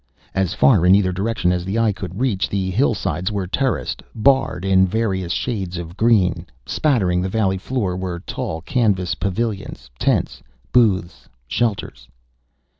As far in either direction as the eye could reach, the hillsides were terraced, barred in various shades of green. Spattering the valley floor were tall canvas pavilions, tents, booths, shelters.